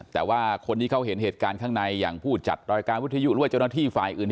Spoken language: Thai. แต่ว่าคนที่เขาเห็นเหตุการณ์ข้างในอย่างผู้จัดรายการวิทยุหรือว่าเจ้าหน้าที่ฝ่ายอื่น